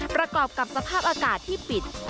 ประกอบกับสภาพอากาศที่ปิด